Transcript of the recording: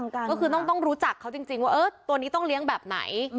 ก็คือต้องรู้จักเขาจริงว่าตัวนี้ต้องเลี้ยงแบบไหน